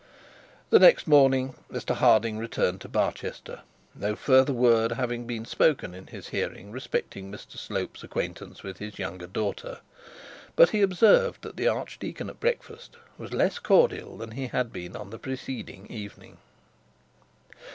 The next morning Mr Harding returned to Barchester, no further word having been spoken in his hearing respecting Mr Slope's acquaintance with his younger daughter. But he observed that the archdeacon at breakfast was less cordial than he had been on the preceding evening.